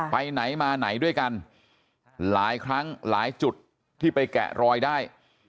ไปไหนมาไหนด้วยกันหลายครั้งหลายจุดที่ไปแกะรอยได้